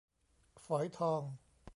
ฝอยทอง